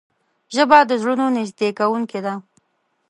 ژبه د زړونو نږدې کوونکې ده